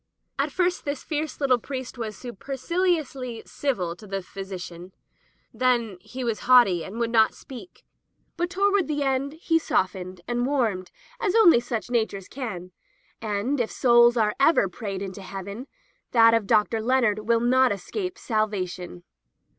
At first this fierce litde priest was super ciliously civil to the physician, then he was haughty and would not speak, but toward the end he softened and warmed as only such natures can; and if souls are ever prayed into Heaven, that of Dr. Leonard will not escape salvation.